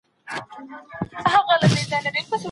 انارګل ته د خپلې کوژدنې خبر د دښتې تر ټولو لوی زېری و.